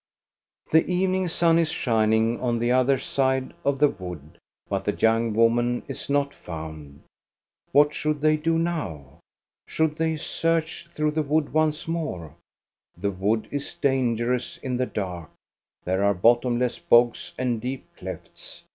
The evening sun is shining on the other side of the wood, but the young woman is not found. What should they do now? Should they search through the wood once more } The wood is dangerous in the dark; there are bottomless bogs and deep clefts.